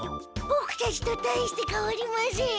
ボクたちとたいしてかわりません。